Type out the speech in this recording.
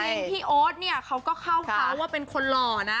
จริงพี่โอ๊ตเนี่ยเขาก็เข้าเขาว่าเป็นคนหล่อนะ